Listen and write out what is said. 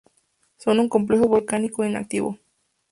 Son un complejo volcánico inactivo.